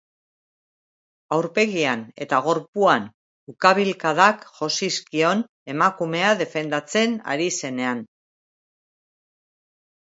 Aurpegian eta gorpuan ukabilkadak jo zizkion emakumea defendatzen ari zenean.